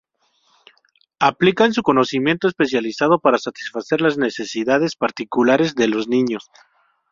Aplican su conocimiento especializado para satisfacer las necesidades particulares de los niños.